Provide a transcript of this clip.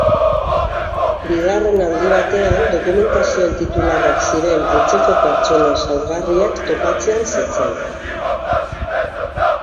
Bigarren aldi batean, dokumentazioen titularrak ziren antzeko pertsona zaurgarriak topatzean zetzan.